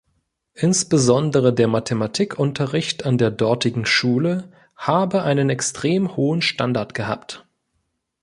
Insbesondere der Mathematikunterricht an der dortigen Schule habe einen extrem hohen Standard gehabt.